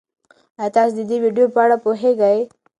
ایا تاسي د دې ویډیو په اړه پوهېږئ؟